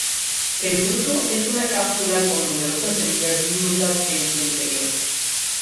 El fruto es una cápsula con numerosas semillas diminutas en su interior.